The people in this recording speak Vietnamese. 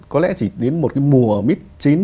có lẽ chỉ đến một cái mùa mít chín